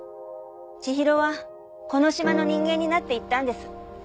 千尋はこの島の人間になっていったんです。